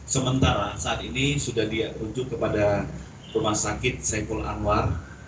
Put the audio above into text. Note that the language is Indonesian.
sementara saat ini sudah dia rujuk kepada rumah sakit saiful anwar